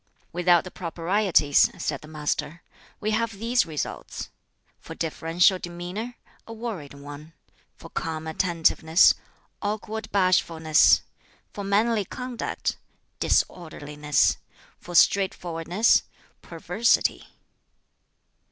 "Without the Proprieties," said the Master, "we have these results: for deferential demeanor, a worried one; for calm attentiveness, awkward bashfulness; for manly conduct, disorderliness; for straightforwardness, perversity.